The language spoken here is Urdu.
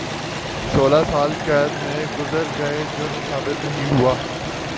سولہ سال قید میں گزر گئے جرم ثابت نہیں ہوا